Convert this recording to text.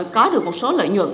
có được một số lợi nhuận